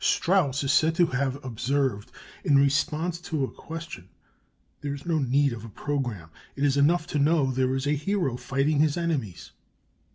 Strauss is said to have observed, in response to a question: "There is no need of a programme. It is enough to know there is a hero fighting his enemies."